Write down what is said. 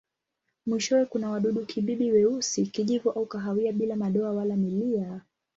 Mwishowe kuna wadudu-kibibi weusi, kijivu au kahawia bila madoa wala milia.